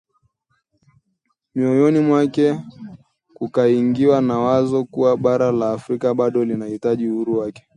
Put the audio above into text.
Moyoni mwake kukaingiwa na wazo kuwa bara la Afrika bado lilihitaji uhuru wake